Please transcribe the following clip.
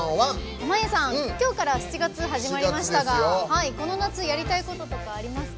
濱家さん、今日から７月、始まりましたがこの夏やりたいこととかありますか？